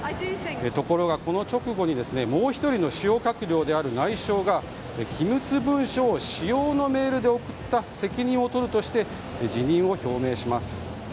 ところが、この直後にもう１人の主要閣僚である内相が機密文書を私用のメールで送った責任を取るとして辞任を表明します。